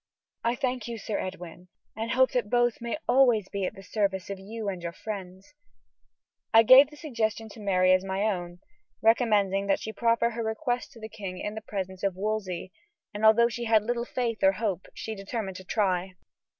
"I thank you, Sir Edwin, and hope that both may always be at the service of you and your friends." I gave the suggestion to Mary as my own, recommending that she proffer her request to the king in the presence of Wolsey, and, although she had little faith or hope, she determined to try.